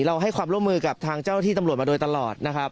ให้ความร่วมมือกับทางเจ้าที่ตำรวจมาโดยตลอดนะครับ